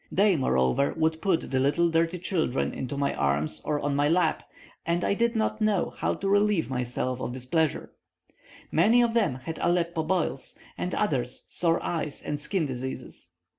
They, moreover, would put the little dirty children into my arms or on my lap, and I did not know how to relieve myself of this pleasure. Many of them had Aleppo boils, and others sore eyes and skin diseases.